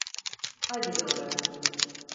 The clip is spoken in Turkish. Hadi be oradan!